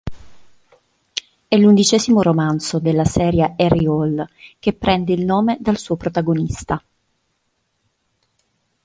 È l'unidicesimo romanzo della "serie Harry Hole", che prende il nome dal suo protagonista.